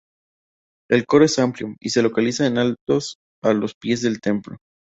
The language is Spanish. El coro es amplio y se localiza en alto a los pies del templo.